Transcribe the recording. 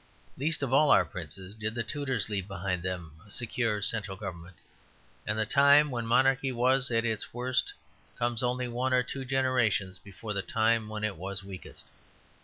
Least of all our princes did the Tudors leave behind them a secure central government, and the time when monarchy was at its worst comes only one or two generations before the time when it was weakest.